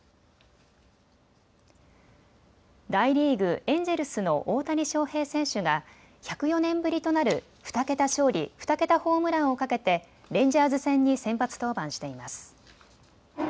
大リーグ、エンジェルスの大谷翔平選手が１０４年ぶりとなる２桁勝利、２桁ホームランをかけてレンジャーズ戦に先発登板しています。